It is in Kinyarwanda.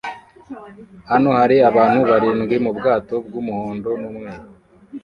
Hano hari abantu barindwi mubwato bwumuhondo numweru